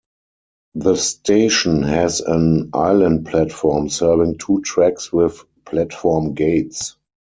The station has an island platform serving two tracks with platform gates.